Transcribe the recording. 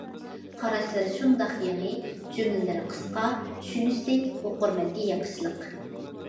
قاراشلىرى شۇنداق يېڭى، جۈملىلىرى قىسقا، چۈشىنىشلىك، ئوقۇرمەنگە يېقىشلىق.